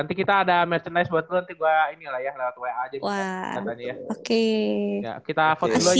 nanti kita ada merchandise buat lu nanti gua ini lah ya lewat wa aja